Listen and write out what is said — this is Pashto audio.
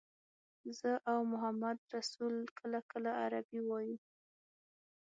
زه او محمدرسول کله کله عربي وایو.